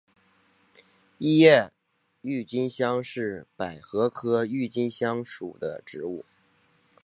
异叶郁金香是百合科郁金香属的植物。